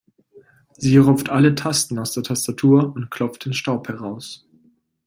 Sie rupft alle Tasten aus der Tastatur und klopft den Staub heraus.